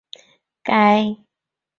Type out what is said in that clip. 该宣言是首部俄罗斯宪法的前身。